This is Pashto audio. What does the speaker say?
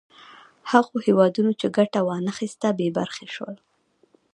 هغو هېوادونو چې ګټه وا نه خیسته بې برخې شول.